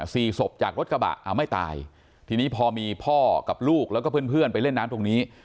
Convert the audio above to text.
สี่ศพจากรถกระบะอ่าไม่ตายทีนี้พอมีพ่อกับลูกแล้วก็เพื่อนเพื่อนไปเล่นน้ำตรงนี้